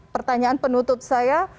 pertanyaan penutup saya